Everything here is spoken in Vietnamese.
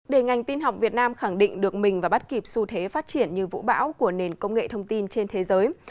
để ngành tin học việt nam khẳng định được mình và bắt kịp xu thế phát triển như vũ bão của nền công nghệ thông tin trên thế giới